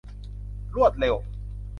รวดเร็ว